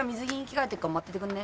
待っててくんね？